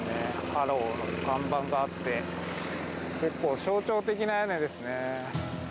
ハロウの看板があって、象徴的な屋根ですね。